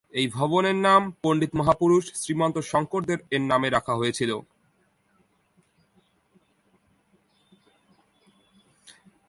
এই ভবনের নাম পণ্ডিত মহাপুরুষ শ্রীমন্ত শংকরদেব-এর নামে রাখা হয়েছে।